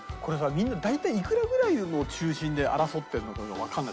みんな大体いくらぐらいを中心で争ってるのかがわかんない。